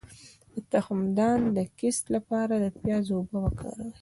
د تخمدان د کیست لپاره د پیاز اوبه وکاروئ